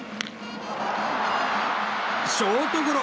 ショートゴロ。